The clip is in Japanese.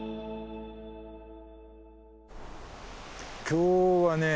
今日はね